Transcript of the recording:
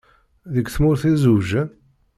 Deg tmurt i zewǧen?